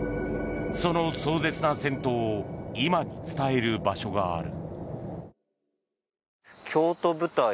その壮絶な戦闘を今に伝える場所がある。